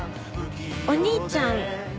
お兄ちゃん